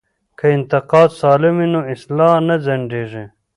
که انتقاد سالم وي نو اصلاح نه ځنډیږي.